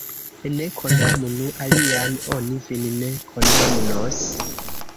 Ne kondamnu alian, oni vin ne kondamnos.